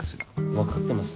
分かってます。